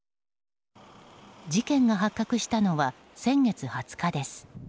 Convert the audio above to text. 事件が発覚したのは先月２０日です。